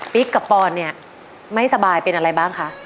กับปอนเนี่ยไม่สบายเป็นอะไรบ้างคะ